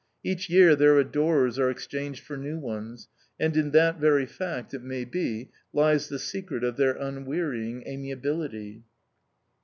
Each year their adorers are exchanged for new ones, and in that very fact, it may be, lies the secret of their unwearying amiability.